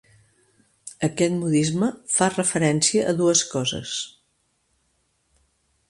Aquest modisme fa referència a dues coses.